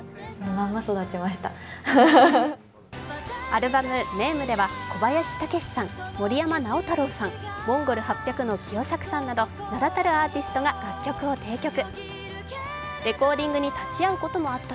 アルバム「ｎａｍｅ」では小林武史さん、森山直太朗さん、ＭＯＮＧＯＬ８００のキヨサクさんなど、名だたるアーティストが楽曲を提供。